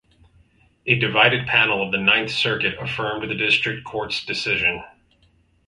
A divided panel of the Ninth Circuit affirmed the District Court's decision.